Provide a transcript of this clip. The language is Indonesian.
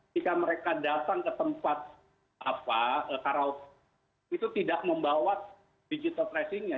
jika mereka datang ke tempat karaoke itu tidak membawa digital tracingnya